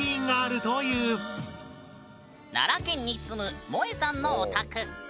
奈良県に住むもえさんのお宅。